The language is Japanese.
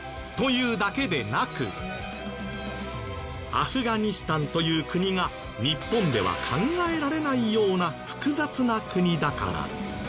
アフガニスタンという国が日本では考えられないような複雑な国だから。